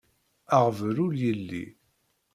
Aɣbel ur yelli.